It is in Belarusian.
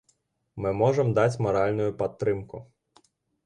Мы можам даць маральную падтрымку.